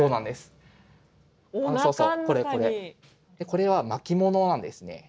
これは巻物なんですね。